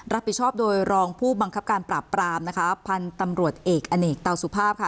รับผิดชอบโดยรองผู้บังคับการปราบปรามนะคะพันธุ์ตำรวจเอกอเนกเตาสุภาพค่ะ